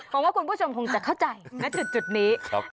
ผมว่าคุณผู้ชมคงจะเข้าใจณจุดนี้